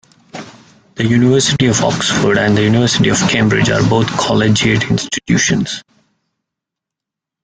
The University of Oxford and the University of Cambridge are both collegiate institutions